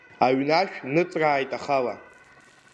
Аҩнашә ныҵрааит ахала.